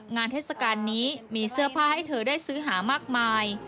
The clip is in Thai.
เทศกาลนี้มีเสื้อผ้าให้เธอได้ซื้อหามากมาย